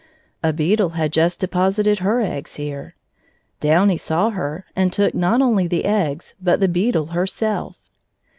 A beetle had just deposited her eggs here. Downy saw her, and took not only the eggs but the beetle herself.